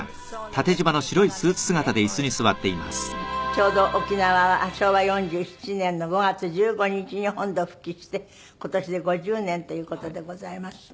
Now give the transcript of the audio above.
ちょうど沖縄は昭和４７年の５月１５日に本土復帰して今年で５０年という事でございます。